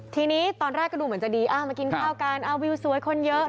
ทีนี้ตอนแรกก็ดูเหมือนจะดีมากินข้าวกันวิวสวยคนเยอะ